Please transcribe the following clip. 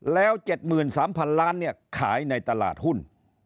แล้ว๗๓๐๐๐ล้านขายในตลาดหุ้น